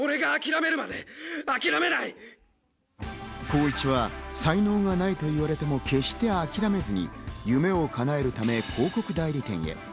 光一は才能がないと言われても決して諦めずに、夢をかなえるため広告代理店へ。